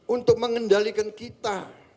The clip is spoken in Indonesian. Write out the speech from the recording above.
untuk mengendalikan kita